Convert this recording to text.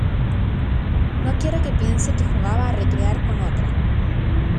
no quiero que piense que jugaba a recrear con otra